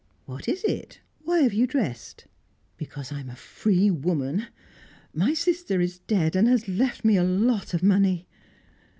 "What is it? Why have you dressed?" "Because I am a free woman. My sister is dead, and has left me a lot of money."